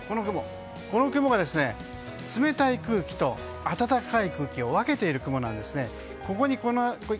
この雲が冷たい空気と暖かい空気を分けている雲なんですね。